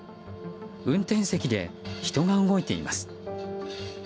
運転席で人が動いています。